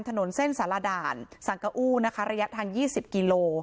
ถนนเส้นสารด่านสังกะอู้นะคะระยะทาง๒๐กิโล